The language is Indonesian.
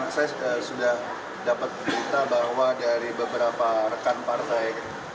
saya sudah dapat berita bahwa dari beberapa rekan partai